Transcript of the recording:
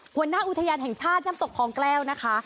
หัวหน้าอุทยานแห่งชาติน้ำตกคลองแก้วนะคะ